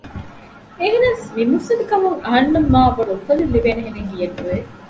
އެހެނަސް މި މުއްސަނދިކަމުން އަހަންނަށް މާ ބޮޑު އުފަލެއް ލިބޭހެނެއް ހިޔެއް ނުވެ